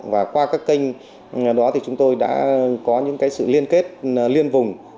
và qua các kênh đó thì chúng tôi đã có những sự liên kết liên vùng